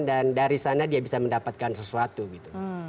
dan dari sana dia bisa mendapatkan sesuatu gitu